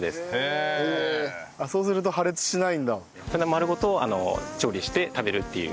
丸ごと調理して食べるっていう。